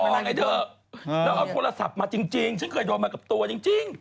แล้วเอาโทรศัพท์มาจริงฉันเคยรอมากับตัวจริง